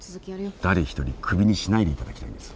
誰一人首にしないでいただきたいんです。